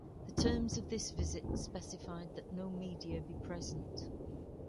The terms of this visit specified that no media be present.